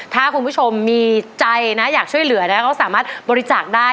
ถ้าคุณผู้ชมมีใจนะอยากช่วยเหลือนะก็สามารถบริจาคได้